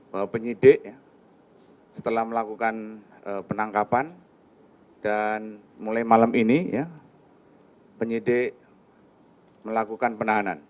bahwa penyidik setelah melakukan penangkapan dan mulai malam ini penyidik melakukan penahanan